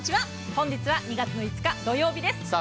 本日は２月５日土曜日です。